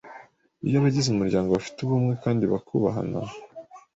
Iyo abagize umuryango ba fi te ubumwe kandi bakubahana